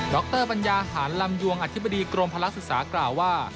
รปัญญาหารลำยวงอธิบดีกรมพลักษึกษากล่าวว่า